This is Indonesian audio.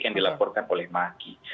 yang dilaporkan oleh maki